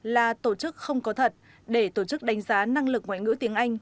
là tổ chức không có thật để tổ chức đánh giá năng lực ngoại ngữ tiếng anh